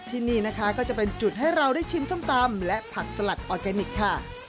ที่นี่นะคะก็จะเป็นจุดให้เราได้ชิมส้มตำและผักสลัดออร์แกนิคค่ะ